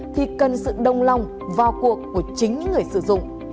thì cần sự đồng lòng vào cuộc của chính người sử dụng